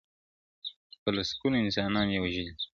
په لسگونو انسانان یې وه وژلي!